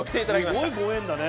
すごいご縁だね。